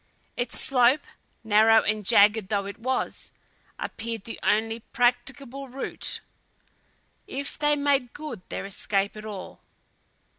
Its slope, narrow and jagged though it was, appeared the only practicable route, if they made good their escape at all.